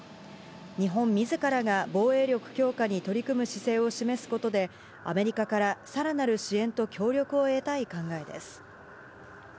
日本みずからが防衛力強化に取り組む姿勢を示すことで、アメリカからさらなる支援と協力を得たい考えです。